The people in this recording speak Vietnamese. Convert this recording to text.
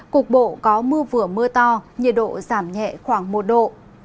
cục bộ có mưa vừa mưa to nhiệt độ giảm nhẹ khoảng một độ